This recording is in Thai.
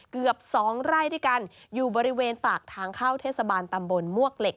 เกือบสองไร่ด้วยกันอยู่บริเวณปากทางเข้าเทศบาลตำบลมวกเหล็ก